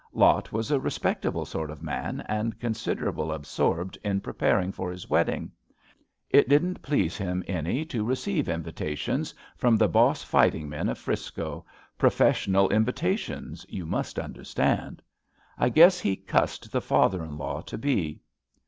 Lot was a respectable sort of man and considera ble absorbed in preparing for his wedding. It didn't please him any to receive invitations from the boss fighting men of 'Frisco — professional in vitations, you must understand. I guess he cussed the father in law to be.